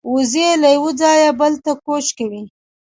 وزې له یوه ځایه بل ته کوچ کوي